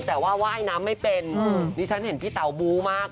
แต่ว่าว่ายน้ำไม่เป็นดิฉันเห็นพี่เต๋าบูมาก